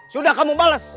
sudah kamu bales